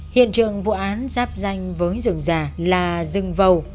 hiện trường vụ án giáp danh với rừng già là rừng vầu